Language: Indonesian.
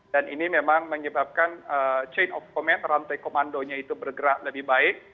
dan ini memang menyebabkan chain of command rantai komandonya itu bergerak lebih baik